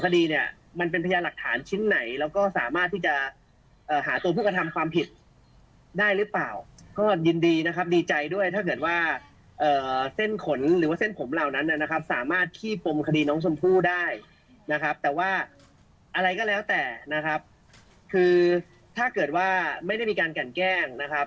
ได้นะครับแต่ว่าอะไรก็แล้วแต่นะครับคือถ้าเกิดว่าไม่ได้มีการกันแกล้งนะครับ